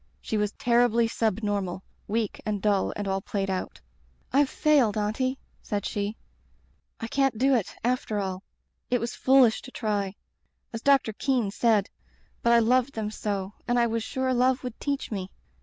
She was terribly sub normal; weak and dull and all played out. "^Fve failed. Auntie/ said she. *I can't do it, after all. It was foolish to try, as Doc tor Kean said, but I loved them so, and I was sure love would teach me.